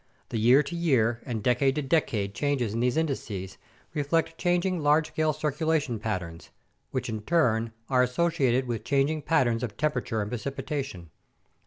The year to year and decade to decade changes in these indices reflect changing large scale circulation pat terns, which in turn are associated with changing patterns of tempera ture and precipitation.